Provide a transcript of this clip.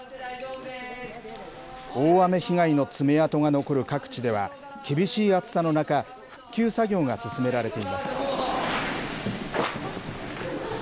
大雨被害の爪痕が残る各地では、厳しい暑さの中、復旧作業が進められています。